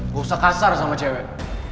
gak usah kasar sama cewek